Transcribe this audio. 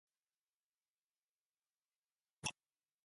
They were solemn rites which mimicked the doings of divine beings.